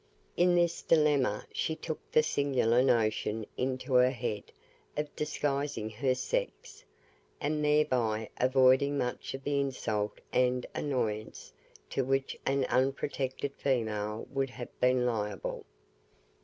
In this dilemma she took the singular notion into her head of disguising her sex, and thereby avoiding much of the insult and annoyance to which an unprotected female would have been liable.